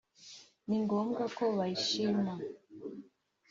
ni ngombwa ko bayishima